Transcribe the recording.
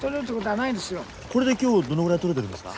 これで今日どのぐらい取れてるんですか？